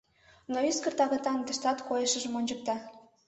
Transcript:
Но ӱскырт агытан тыштат койышыжым ончыкта.